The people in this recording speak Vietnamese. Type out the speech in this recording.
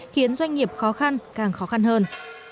khiến doanh nghiệp khó khăn càng khó khăn hơn